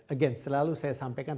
again selalu saya sampaikan